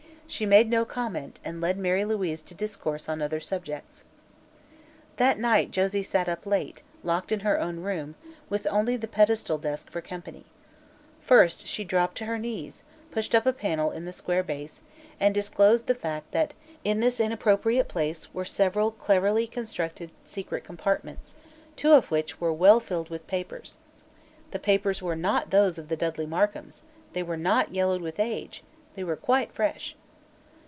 She made no comment and led Mary Louise to discourse on other subjects. That night Josie sat up late, locked in her own room, with only the pedestal desk for company. First she dropped to her knees, pushed up a panel in the square base, and disclosed the fact that in this inappropriate place were several cleverly constructed secret compartments, two of which were well filled with papers. The papers were not those of the Dudley Markhams; they were not yellowed with age; they were quite fresh.